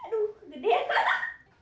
aduh gede ya